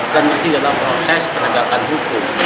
dan masih dalam proses penegakan hukum